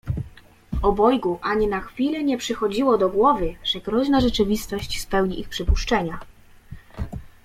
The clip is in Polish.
Obojgu ani na chwilę nie przychodziło do głowy, że groźna rzeczywistość spełni ich przypuszczenia.